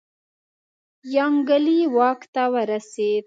یانګلي واک ته ورسېد.